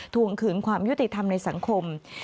ทวงคืนความยุติธรรมในสังคม